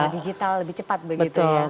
digital lebih cepat begitu ya